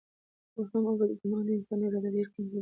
وهم او بدګماني د انسان اراده ډېره کمزورې کوي.